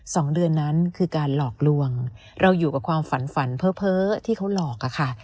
สองเดือนนั้นคือการหลอกลวงเราอยู่กับความฝันฝันเพ้อเพ้อที่เขาหลอกอะค่ะ